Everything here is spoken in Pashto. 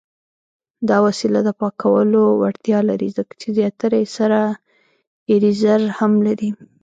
دا وسیله د پاکولو وړتیا لري، ځکه چې زیاتره یې سره ایریزر هم لري.